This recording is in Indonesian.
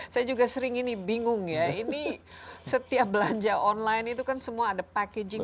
saya juga sering ini bingung ya ini setiap belanja online itu kan semua ada packaging